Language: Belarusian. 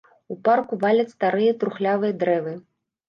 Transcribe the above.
У парку валяць старыя трухлявыя дрэвы.